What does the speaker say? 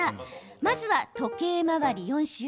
まずは、時計回り４周。